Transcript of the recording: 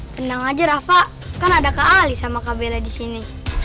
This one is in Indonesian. tenang aja rafa kan ada kak ali sama kak bella disini